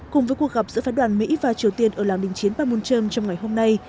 cùng với cuộc gặp giữa phái đoàn mỹ và triều tiên ở làng đình chiến panmunjom trong ngày hôm nay